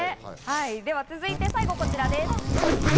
では続いて最後、こちらです。